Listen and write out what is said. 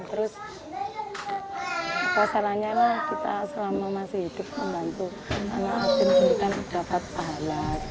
terus pasalannya kita selama masih hidup membantu anak anak yang sedih